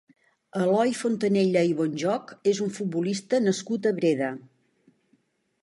Eloi Fontanella i Bonjoch és un futbolista nascut a Breda.